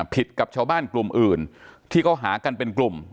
กับชาวบ้านกลุ่มอื่นที่เขาหากันเป็นกลุ่ม